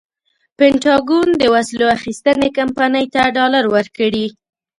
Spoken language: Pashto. پنټاګون د وسلو اخیستنې کمپنۍ ته ډالر ورکړي.